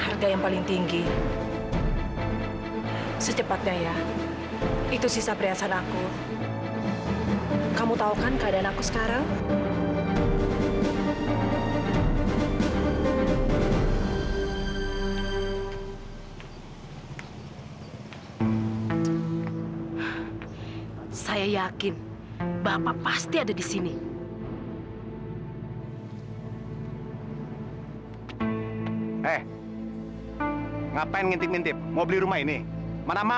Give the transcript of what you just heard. saya ingin menginginkan hai hai rawan sejauh ni kemana mana